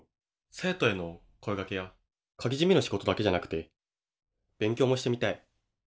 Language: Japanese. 生徒への声掛けや鍵じめの仕事だけじゃなくて勉強もしてみたい。